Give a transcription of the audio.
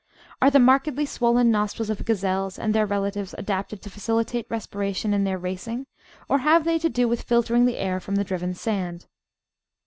Are the markedly swollen nostrils of gazelles and their relatives adapted to facilitate respiration in their racing, or have they to do with filtering the air from the driven sand?